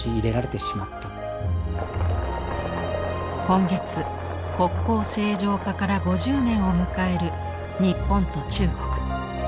今月国交正常化から５０年を迎える日本と中国。